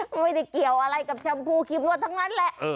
ก็ไม่ได้เกี่ยวอะไรกับแชมพูคีมวลทั้งนั้นแหละ